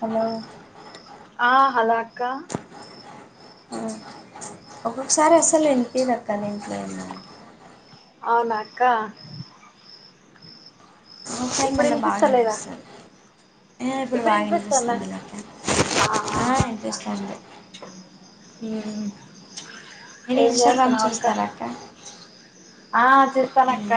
Hello ఆ hello అక్క ఒక్కొక్కసారి అస్సలు వినిపిదు అక్క నే ఇంట్లో అయినా అవునా అక్క ఒకొక్క సార్ ఇప్పుడు మళ్ల బాగా వినిపిస్తలేదా విన్పిస్తది ఇప్పుడు వినిపిస్తుందా ఆ ఆ అక్క మ్మ్ మీరు ఇన్స్టాగ్రామ్ ఏంచేస్తున్నావ్ అక్క చూస్తారా ఆ చెపను అక్క హ్మ్.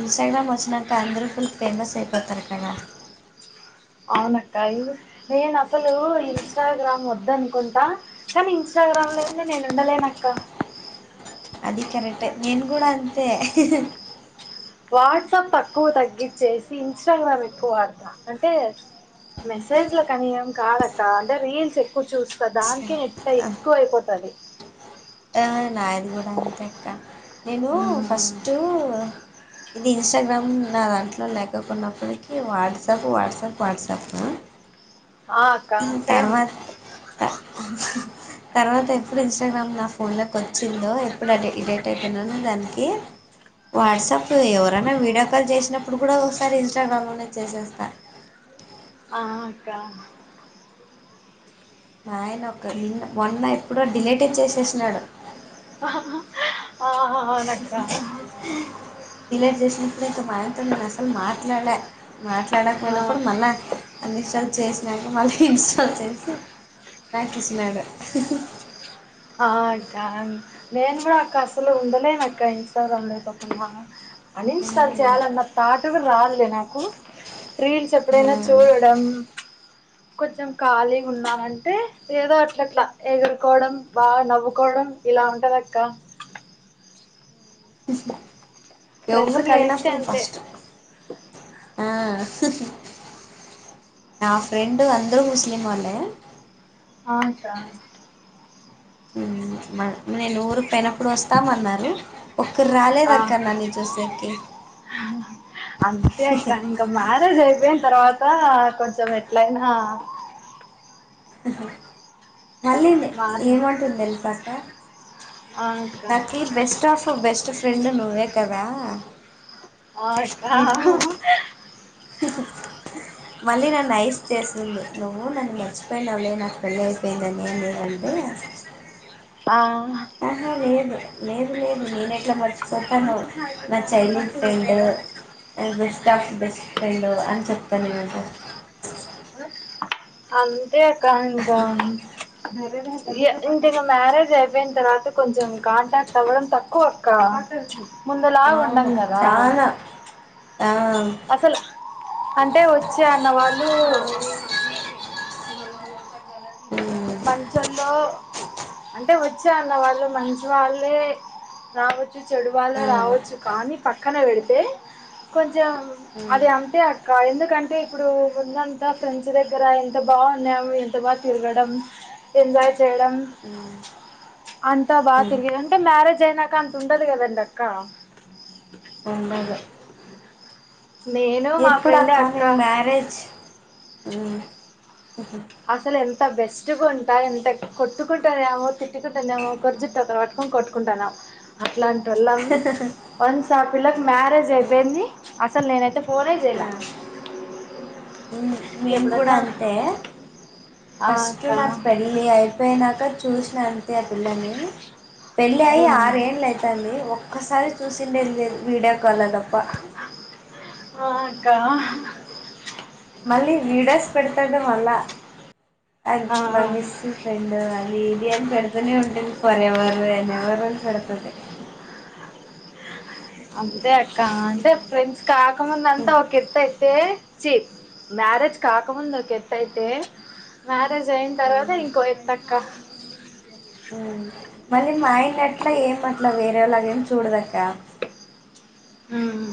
ఇన్స్టాగ్రామ్ వచ్చినాక అందరూ ఫుల్ ఫేమస్ అయిపోతారు కదా అవునక్కాయి నేను అసలు ఇంస్టాగ్రామ్ వద్ద అనుకుంటా కానీ ఇంస్టా గ్రామ్ లేనిది నేను ఉండలేనక్క అది కరెక్టే నేను కూడా అంతే వాట్సాప్ తక్కువ తగ్గించేసి ఇన్స్టాగ్రామ్ ఎక్కువ వాడతా అంటే మెసేజ్లకి అని ఏం కాదక్కా అంటే రీల్స్ ఎక్కువ చూస్తా దానికే నెట్ట ఎక్కువ అయిపోతది ఆ నాది కూడా అంతే అక్క నేను ఫస్టు ఇది ఇన్స్టాగ్రామ్ నా దాంట్లో లేకపొన్నప్పటికి వాట్సాప్ వాట్సాప్ వాట్సాప్ ఆ అక్క సేమ్ అ తర్వాత ఎప్పుడు ఇన్స్టాగ్రామ్ నా ఫోన్ లోకి వచ్చిందో ఎప్పుడు అ ఎడిక్ట్ అయిపోన్నానో దానికి వాట్సాప్ సో ఎవరైనా వీడియో కాల్ చేసినప్పుడు కూడా ఒకసారి ఇన్స్టాగ్రామ్ లోనే చేసేస్తా ఆ అక్క మాఆయన ఒక నిన్న మొన్న ఎప్పుడో డిలీటే చేసేసినాడు హహ డిలేట్ చేసినప్పుడు మా ఆయనతో నేను అసలు మాట్లాడలా ఆ మాట్లాడకపోయినప్పుడు మళ్ళ అన్ని ఇస్టా చేసినాక మళ్ళీ ఇన్స్టాల్ చేసి నాకు ఇచ్చినాడు ఆ అక్క నేను కూడా అక్క అసలు ఉండలేనక్క ఇంస్టాగ్రామ్ లేకోకుండా అన్ ఇన్స్టాల్ చేయాలన్న థాట్ కూడా రాదులే నాకు రీల్స్ ఎప్పుడైనా చూడడం కొంచెం ఖాళీగున్నామంటే ఏదో అట్లట్లా ఎగురుకోవడం బాగా నవ్వుకోవడం ఇలా ఉంటదక్క ఫ్రెండ్స్ ఎవరు కలిస్తే లేనప్పుడు అంతే ఫస్ట్ ఆ నా ఫ్రెండు అందరూ ముస్లీం వాళ్లే అ అక్క మ నె నూరు తెనప్పుడు వస్తామన్నారు ఒక్కరు ఆ రాలేదక్క నన్ను చూసేకి అంతే అక్కా ఇంకా మ్యారేజ్ అయిపోయిన తర్వా త కొంచం ఎట్లైనా మళ్ళుండే మారింది ఏమంటుంది తెలుసా అక్క ఆ అక్క నాకీ బెస్ట్ ఆఫ్ బెస్ట్ ఫ్రెండ్ నువ్వే కదా ఆ హ హ హ హు హు మళ్ళీ నన్న ఐస్ చేస్తుంది నువ్వు నన్న మర్చిపోయినవులే నాకు పెళ్ళయిపోయిందని ఏ అంది టే ఆ లేదు లేదు నేనెట్లా మర్చిపోతాను నా childhood friend best of the best friend అని చెప్తా ఈరోజు అంతేక్క ఇంకా ఇంటి ఇక మ్యారేజ్ అయిపోయిన తర్వాత కొంచెం కాంటాక్ట్ అవ్వడం తక్కువ అక్క ముందులా ఉండం అవును కదా చాలా ఆ అసలు అంటే వచ్చే అన్న వాళ్ళు మంచోళ్ళో అంటే వచ్చే అన్న వాళ్ళు మంచి వాళ్ళే రావచ్చు చెడు వాళ్లే ఆ రావచ్చు కానీ పక్కన పెడితే కొంచెం అది అంతే అక్క ఎందుకంటే ఇప్పుడు ఉందంత ఫ్రెండ్స్ దగ్గర ఎంత బాగున్నాము ఎంత వా తిరగడం ఎంజాయ్ చేయడం అ అంతా బాగా తిరిగేది అంటే మ్యారేజ్ అయినాక అంత ఉండదు కదండి అక్క ఉండదు నేను మా ఫ్రెండే ఎప్పుడుక్క మీ అక్క మ్యారేజ్ అసలు ఎంత బెస్ట్గా ఉంటా ఎంత కొట్టుకుంటనేమో తిట్టుకుంటునేమో కొర్చుట్ దాకా కొట్టుకుంటాన్నాం అట్లాంటోళ్ళం వన్స్ ఆ పిల్లకి మ్యారేజ్ అయిపోయింది అసలు నేనయితే ఫోనే చేయాలా మేము కూడా అంతే ఆ ఫస్ట్ అక్క నాకు పెళ్ళి అయిపోయినాక చూసినాను ఆ పిల్లని పెళ్ళి అయి మ్మ్ ఆరేండ్లు అయితాంది ఒక్కసారి చూసిండేద్ లేద్ వీడియో కాల్లో దప్ప ఆ అక్కా మళ్ళీ వీడోస్ పెడతడు మళ్ళా అ ఆ మా మిస్ ఫెండ్ అది ఇది అని పెడుతూనే ఉంటుంది ఫరెవర్ ఎన్ ఎవరు బస్ బెడతది అంతే అక్క అంటే ఫ్రెండ్స్ కాకముందంతా ఒకెత్తైతే చి మ్యారేజ్ కాకముందు ఒకెత్తైతే మ్యారేజ్ తర్వాత ఇంకో ఎత్తక్క మ్మ్ మరి మాయన అట్ల ఏం అట్ల వేరేలాగేం చూడదక్క [inaudible] మ్మ్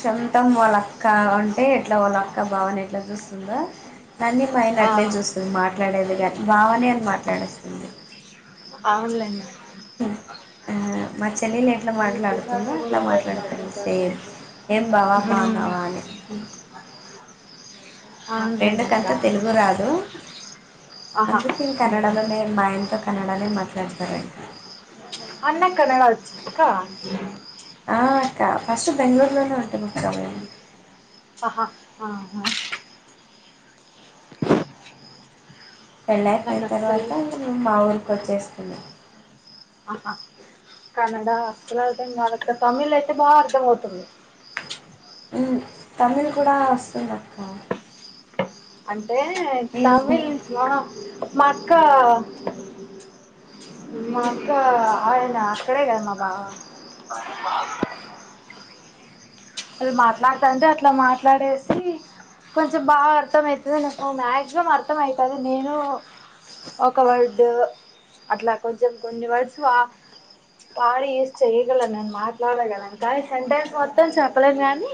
సంతం వాళ్ళక్క అంటే ఎట్ల వాళ్ళక్క బావనెట్లా చూస్తుందో నన్నీ ఆ మైనట్లే చూస్తుంది మాట్లాడేది గాన్ బావనే అని మాట్లాడేస్తుంది అవునులేండి మచ్ తెలిల్ల్ ఎట్ల ఉమ్, మాట్లాడుతుందో అట్ల మాట్లాడుతుంది సేమ్ ఏం బావా బాన్నావా అని [inaudible] నా అవునండి అక్క ఫ్రెండ్కంత తెలుగు రాదు ఆహా అందుకే ఉమ్. కన్నడలో నేన్ మాయ్తో కన్నడనే మాట్లాడతారు న్నక్కడ ఒచ్క ఆ అక్క ఫస్ట్ బెంగళూరులోనే ఉంటము కద మేము ఆహా నాకు పెళ్ళైపొయిన తర్వాత అస్సలు మా ఊరికి వచ్చేస్తిమి అహా కన్నడ అసలర్దం గాదక్క తమిళ్ అయితే బా అర్థమౌతుంది తమిళ్ కూడా వస్తుందక్క అంటే తమిళ్ మా అక్క మా అక్కా ఆయన్ అక్కడే కద మా బావ మ మల్ అది మాట్లాడతాంటే అట్ల మాట్లాడేసి కొంచెం బాగా అర్థమైతది నాకు మాక్సిమం అర్థమైతది నేను ఒక వర్డు అట్ల కొంచెం కొన్ని వర్డ్స్ వాడి యూస్ చెయగలన్ నేన్మాట్లాడ గలన్ కాని సెంటెన్స్ మొత్తం చెప్ గాని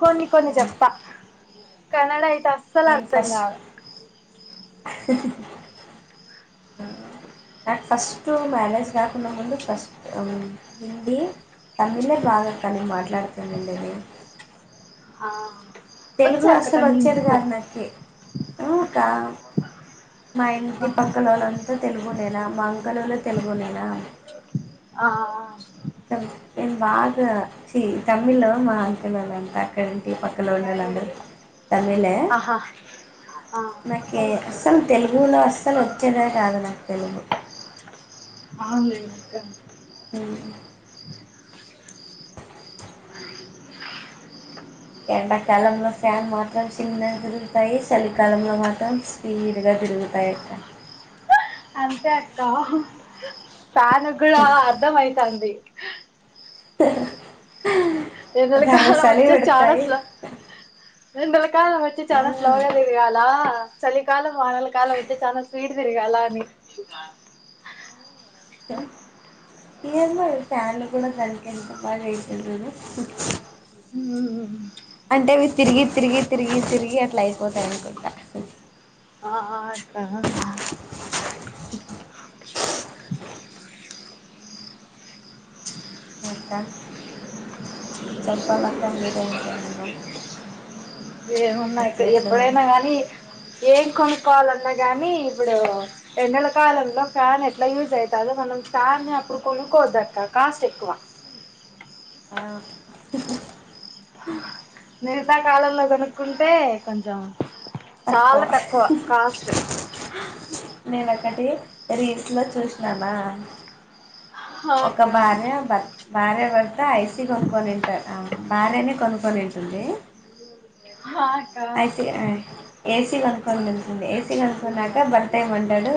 కొన్ని కొన్ని చెప్త కన్నడై నేను తస్సలర్థంగా ఫస్ట్ అ నాకు ఫస్ట్టు మ్యారేజ్ కాకున్న ముందు ఫస్ట్ హిందీ తమిళే బాగక్క నేన్ మాట్లాడుతునుండేది ఆ తెలుగు వచ్చా అక్క తమిళ్ అసలొచ్చేది నీకు గాదు నాకి ఉ అకా మా ఇంటి ఆహా పక్క లోలంతా తెలుగు నెలా మంగళూలో తెలుగు నెనా ఆ నేన్బాగ్ చి తమిళ్ మా అక్కలోల్లంతా ఈ పక్కలోల్ అలానే తమిళే ఆహా ఆ నాకే అస్సలు తెలుగులో అస్సలు వచ్చేదే గాదు నాకు తెలుగు అవును లేట్ అయింది ఏ ఎండాకాలంలో ఫ్యాన్ మాత్రం చిన్నగా తిరుగుతాయి చలికాలంలో మాత్రం స్పీడ్ గా ఇరుగుతాయ్ అక్క అంతే అక్క ఫ్యాన్ కూడా అర్ధం అయితాంది [inaudible] ఏదుడు దానికి కాలం చలి వచ్చా చాలా పెడతాయి స్లో రెండో కాలం వచ్చి ఆ చాలా స్లోగా తిరగాల చలికాలం వానల కాలం అయితే చాలా స్వీట్ తిరగాల అని ఏమో ఈ ఫ్యాన్లు కూడా తనకి ఎంత బాగా అయితదో అంటే వి తిరిగి తిరిగి తిరిగి తిరిగి అట్లా అయిపోతాయి అనుకుంటా ఆ ఆ స కా చంపాలక్కా మీరే ఇంకా ఏమేమో ఏమున్నది అక్క ఎప్పుడైనా గానీ ఏం కొనుక్కోవాలన్నా గానీ ఇప్పుడు ఎండల కాలంలో ఫ్యాన్ ఎట్లా యూజ్ అవుతాదో మనం ఫ్యాన్ ని అప్పుడు కొనుకోవద్దక్క కాస్ట్ ఎక్కువ ఆ మిగతా కాలంలో కనుక్కుంటే కొంచెం చాలా తక్కువ కాస్ట్ నేన ఒకటి రీల్స్ లో చూసినామా ఆ ఒక అక్క భార్య భర్త భార్య భర్త ఐసి కొనుక్కొనింటారు ఆ భార్యని కొనుక్కొనింటారు ఏంది ఆ అక్క ఐసి ఏసీ కొనుక్కొని తింటుంది ఏసీ కనుకున్నాక భర్త ఏమంటాడు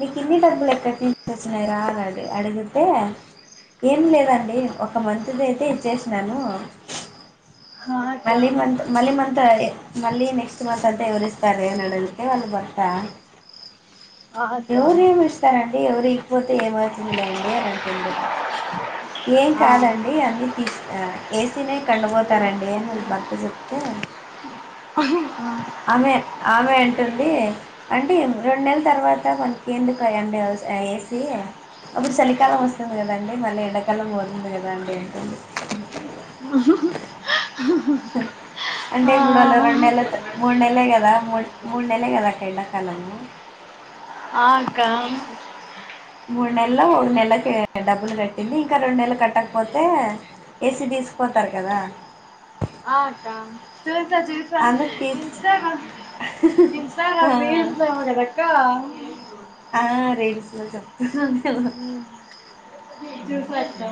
మీకు ఇన్ని డబ్బులు ఎక్కటి నుంచి వచ్చినార అని అడిగితే ఏం లేదండి ఒక మంత్ ది అయితే ఇచ్చేసినాను ఆ మళ్లీ మంత అక్క మళ్లీ మంత మళ్లీ నెక్స్ట్ మంత అంత ఎవరిస్తస్తారు నడ ఏమన్నది అక్క ఆ అక్క ఎవరు ఏమి ఇస్తారండి ఎవరు ఈయకపోతే ఏమవుతుంది లేండి అని అంటుంది ఏం కాదండి ఆ అన్నీ తీ ఏసీ న కండ పోతారండి వాళ్ల భర్త చెప్తే ఆమె ఆమె అంటుంది అంటే రెండు నెలల తర్వాత మనకి ఎందుకుండి ఏసి అప్పుడు చలికాలం వస్తుంది కదాండి మళ్ళీ ఎండాకాలం పోతుంది కదా అండి ఏంటంది [inaudible] అంటే ఆ ఇప్పుడు వాళ్లు రెండేళ్ల మూడు నెలే కదా మూ మూడు నెలే కదా అక్క ఎండకాలము ఆ కామ్ మూడు నెల్లు నెలకే డబ్బులు కట్టింది ఇంకా రెండు నెలలు కట్టకపోతే ఏసి తీసుపోతారు కదా ఆ అక్క చూసా అందుకు తీస్ చూసా ఇస్ ఆ [unintelligible] ఆ రైల్స్ లో చెప్తనుండు ఇరుద్ద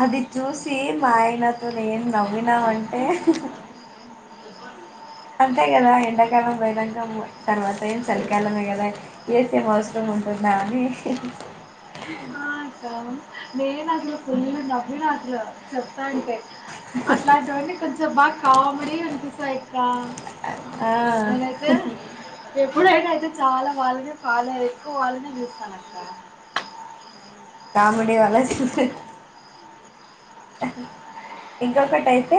అది చూసి మా ఆయనతో నేను నవ్వినామంటే అ అంతే కదా ఎండాకాలం పోయినంక తర్వాత ఏం చలికాలమే కదా [unintelligible] నాని ఆ అక్క నేను అసలు ఫుల్ నవ్విన అసలు [unintelligible] అట్లాంటివన్ని కొంచెం బాగ కామెడీ అనిపిస్తయ్ ఆ [unintelligible] నేనయితే ఎప్పుడైనా అయితే చాల వాళ్ళని ఫాలో ఎక్కువ వాళ్ళనే చుస్తాను అక్క కామెడి [unintelligible] ఇంకొకటి అయితే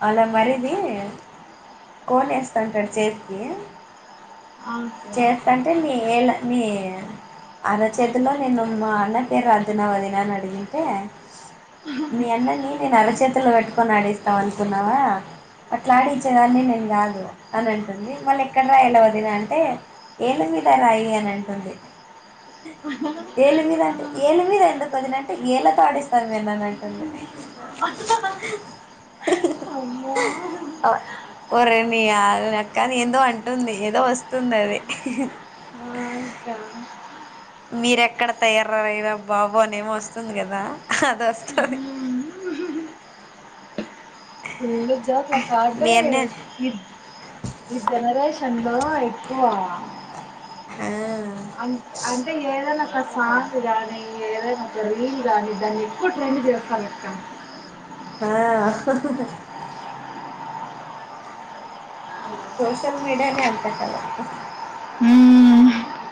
వాళ్ల మరిది కోన్ ఎస్తాంటాడు చేతికి ఆ అక్క [unintelligible] అరచేతిలో నేను మా అన్న పేరు రదున వదిన అని అడిగింటే మీ అన్నని నేను అరచేతులో పెట్టుకొని ఆడేస్త అనుకున్నావ అట్లాడిచ్చేదాన్ని నేను కాదు అని అంటుంది మళ్ళీ ఎక్కడ రాయలా వదిన అంటే ఏళ్ళు మీద అ రాయి అని అంటుందిఏళ్లు మీద అంటే ఏళ్ళ మీద ఎందుకు వదినంటే ఏళ్ళతో ఆడిస్తాను మీఅన్నని అంటుంది అమ్మో ఒరే మీ [unintelligible] ఏదో అంటుంది ఏదో వస్తుంది అది ఆ అక్క మీర ఎక్కడ తయారయినారు ర బాబో అనే ఏదో వస్తుంది కదా అది వస్తుంది మీ అన్న [unintelligible] ఈ జెనరేషన్లో ఎక్కువ ఆ అ అంటే ఏదైన ఒక సాంగ్ గానీ ఏదైనా ఒక రీల్ గానీ దాన్ని ఎక్కువ ట్రెండ్ [unintelligible] ఆ సోషల్ మీడియానేే అంత కాద హు